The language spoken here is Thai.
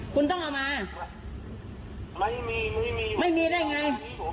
คุณต้องเอามาไม่มีไม่มีได้ไง